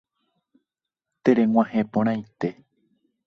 Tereg̃uahẽporãite.